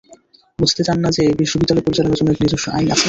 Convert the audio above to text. বুঝতে চান না যে বিশ্ববিদ্যালয় পরিচালনার জন্য একটি নিজস্ব আইন আছে।